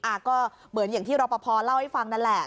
ก็เหมือนอย่างที่รอปภเล่าให้ฟังนั่นแหละ